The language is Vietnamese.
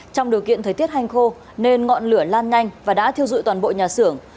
trong điều kiện thời tiết hành khô nên ngọn lửa lan nhanh và đã thiêu dụi toàn bộ nhà xưởng